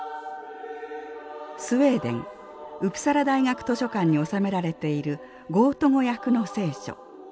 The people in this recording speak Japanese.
スウェーデンウプサラ大学図書館に収められているゴート語訳の聖書。